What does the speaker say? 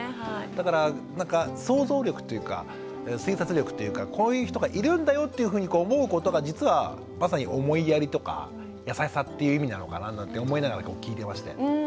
だからなんか想像力というか推察力というかこういう人がいるんだよというふうに思うことが実はまさに思いやりとか優しさっていう意味なのかななんて思いながら聞いていまして。